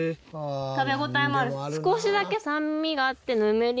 食べ応えもある。